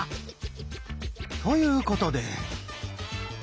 ということで。